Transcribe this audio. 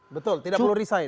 betul tidak perlu resign